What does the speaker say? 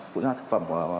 phụ gia thực phẩm